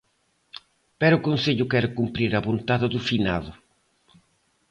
Pero o Concello quere cumprir a vontade do finado.